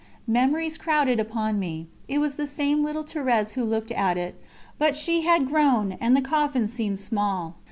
Memories crowded upon me; it was the same little Thérèse who looked at it, but she had grown, and the coffin seemed small.